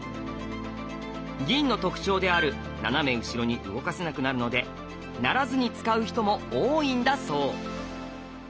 銀の特徴である斜め後ろに動かせなくなるので成らずに使う人も多いんだそう。